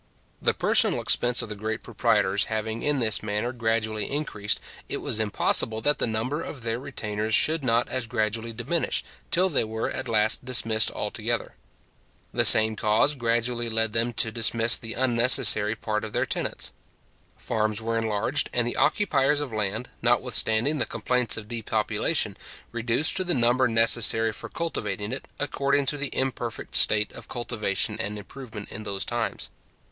The personal expense of the great proprietors having in this manner gradually increased, it was impossible that the number of their retainers should not as gradually diminish, till they were at last dismissed altogether. The same cause gradually led them to dismiss the unnecessary part of their tenants. Farms were enlarged, and the occupiers of land, notwithstanding the complaints of depopulation, reduced to the number necessary for cultivating it, according to the imperfect state of cultivation and improvement in those times.